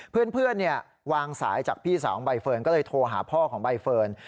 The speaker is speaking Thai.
เพื่อนวางสายจากพี่สาวของใบเฟิร์นก็เลยโทรหาพ่อของใบเฟิร์น